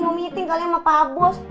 mau meeting kali sama pak bos